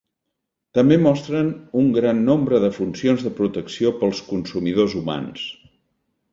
També mostren un gran nombre de funcions de protecció pels consumidors humans.